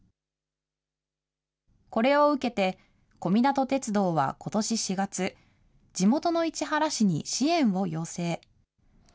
これを受けて、小湊鐵道はことし４月、地元の市原市に支援を要請。